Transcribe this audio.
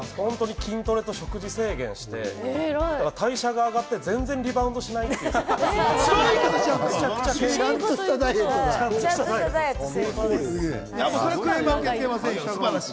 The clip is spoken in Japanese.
筋トレと食事制限して、代謝が上がって全然リバウンドしないという、めちゃくちゃ健康です。